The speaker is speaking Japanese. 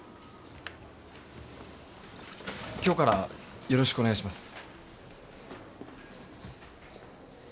今日からよろしくお願いします。